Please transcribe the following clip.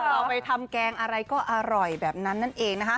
เอาไปทำแกงอะไรก็อร่อยแบบนั้นนั่นเองนะคะ